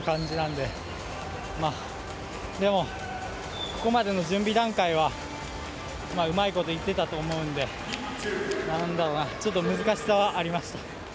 でも、ここまでの準備段階はうまいこといっていたと思うのでちょっと難しさはありました。